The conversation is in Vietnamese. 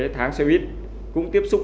tháng xe buýt